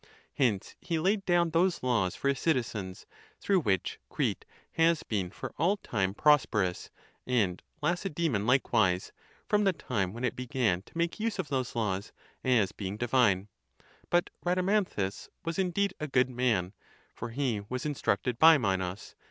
Hence he laid down those laws for his citizens, through which Crete has been for all time prosperous, and Lacedemon likewise, from the time when it began to make use of those laws, as being divine. [15.] But Rhadamanthus was indeed a good man; for he was instructed by Minos.